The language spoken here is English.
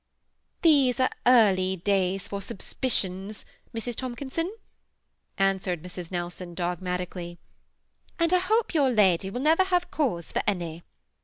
" These are early days for subspicions, Mrs. Tomkin son," answered Mrs. Nelson, dogmatically; "and I hope your lady will never have cause for any."